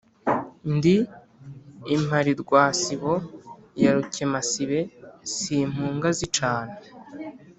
Ndi impalirwasibo ya Rukemasibe, simpunga zicana.